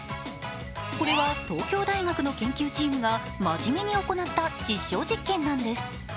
これは東京大学の研究チームが真面目に行った実証実験なんです。